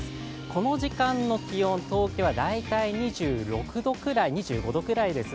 この時間の気温、東京は大体２５、２６度くらいです。